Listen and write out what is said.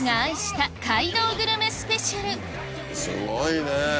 すごいね。